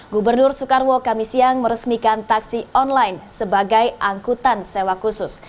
gubernur soekarwo kami siang meresmikan taksi online sebagai angkutan sewa khusus